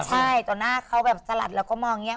ใช่ต่อหน้าเขาแบบสลัดเราก็มองอย่างนี้